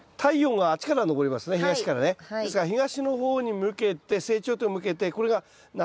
ですから東の方に向けて成長点を向けてこれが斜め４５度。